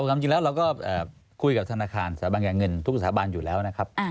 ความจริงแล้วเราก็คุยกับธนาคารสถาบันการเงินทุกสถาบันอยู่แล้วนะครับ